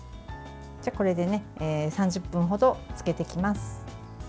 これで３０分ほど漬けていきます。